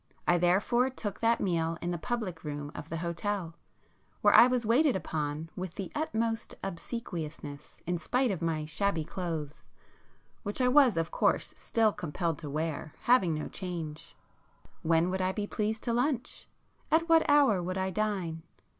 I therefore took that meal in the public room of the hotel, where I was waited upon with the utmost obsequiousness, in spite of my shabby clothes, which I was of course still compelled to wear, having no change. When would I be pleased to lunch? At what hour would I dine?